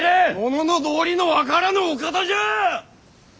物の道理の分からぬお方じゃ！